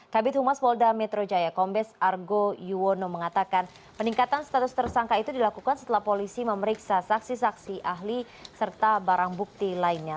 kabit humas polda metro jaya kombes argo yuwono mengatakan peningkatan status tersangka itu dilakukan setelah polisi memeriksa saksi saksi ahli serta barang bukti lainnya